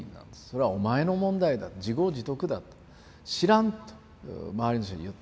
「それはお前の問題だ自業自得だ知らん」と周りの人に言った。